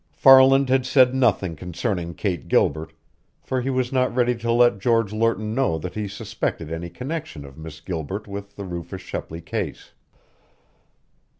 Farland had said nothing concerning Kate Gilbert, for he was not ready to let George Lerton know that he suspected any connection of Miss Gilbert with the Rufus Shepley case.